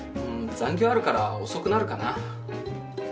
残業あるから遅くなるかな。